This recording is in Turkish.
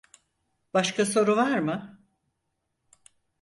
Başka soru var mı?